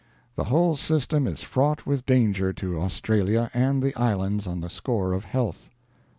The whole system is fraught with danger to Australia and the islands on the score of health.